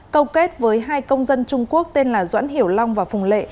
câu kết với hai công dân trung quốc tên là doãn hiểu long và phùng lệ